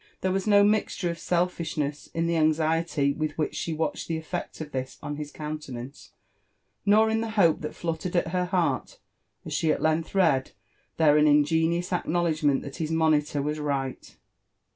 There was no mixture of selfishness in the anxiety with which she watched the effect of this on his countenance, nor in the hope that fluttered at her heart as she at length read there an ingenuous acknow ledgment that his monilor w*as right.